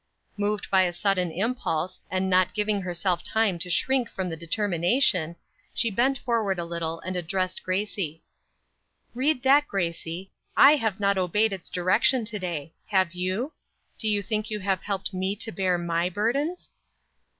Moved by a sudden impulse, and not giving herself time to shrink from the determination, she bent forward a little and addressed Gracie: "Read that, Gracie. I have not obeyed its direction to day; have you? Do you think you have helped me to bear my burdens?"